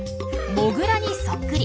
モグラにそっくり。